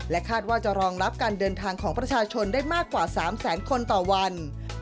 คาดว่าจะรองรับการเดินทางของประชาชนได้มากกว่า๓แสนคนต่อวัน